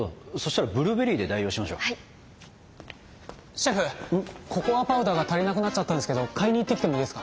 シェフココアパウダーが足りなくなっちゃったんですけど買いに行ってきてもいいですか？